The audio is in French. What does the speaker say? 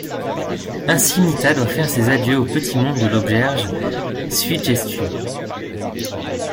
Ainsi Mita doit faire ses adieux au petit monde de l'auberge Suigetsu.